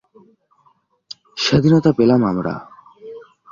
স্বাধীনতা পেলাম আমরা